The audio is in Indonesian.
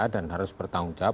dan harus bertanggungjawab